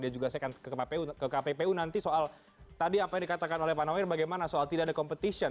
dia juga saya akan ke kppu nanti soal tadi apa yang dikatakan oleh pak nawir bagaimana soal tidak ada competition